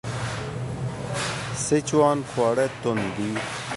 سیچوان خواړه توند دي.